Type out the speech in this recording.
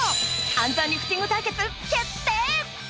暗算リフティング対決決定！